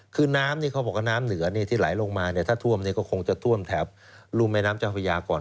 คือน้ำนี่เขาบอกว่าน้ำเหนือที่ไหลลงมาถ้าท่วมก็คงจะท่วมแถบรุ่มแม่น้ำเจ้าพญาก่อน